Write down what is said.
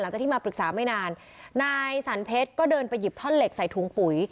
ที่มาปรึกษาไม่นานนายสรรเพชรก็เดินไปหยิบท่อนเหล็กใส่ถุงปุ๋ย